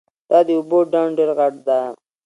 دا د اوبو ډنډ ډېر غټ ده